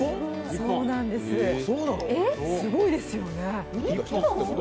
すごいですよね。